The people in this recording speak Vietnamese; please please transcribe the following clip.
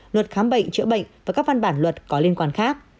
luật khám bệnh chữa bệnh và các văn bản luật có liên quan khác